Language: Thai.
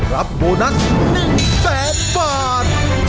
รับโบนัส๑๐๐บาท